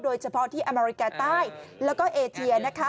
โดยเฉพาะที่อเมริกาใต้แล้วก็เอเชียนะคะ